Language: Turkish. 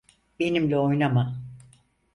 Benimle oynama.